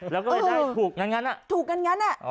แล้วก็ได้ถูกเงินเงินอ่ะถูกเงินเงินอ่ะอ๋อ